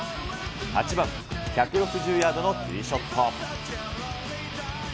８番、１６０ヤードのティーショット。